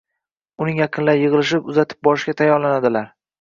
Uning yaqinlari yig’ilishib uzatib borishga tayyorlanadilar.